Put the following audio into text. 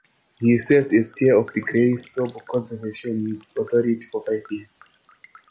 He served as chair of the Grey Sauble Conservation Authority for five years.